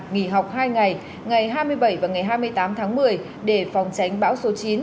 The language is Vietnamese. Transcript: nghỉ học hai ngày ngày hai mươi bảy và ngày hai mươi tám tháng một mươi để phòng tránh bão số chín